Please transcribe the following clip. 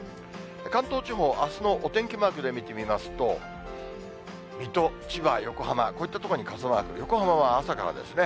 関東地方、あすのお天気マークで見てみますと、水戸、千葉、横浜、こういった所に傘マーク、横浜は朝からですね。